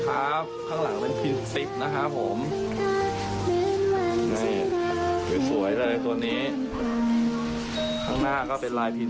ฉันนึกว่ายีเทนที่ไม่มีไม่รู้สึกและทำไมทำได้